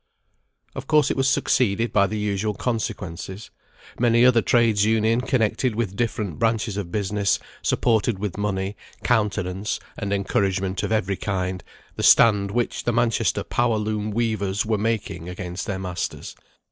Of course it was succeeded by the usual consequences. Many other Trades' Unions, connected with different branches of business, supported with money, countenance, and encouragement of every kind, the stand which the Manchester power loom weavers were making against their masters.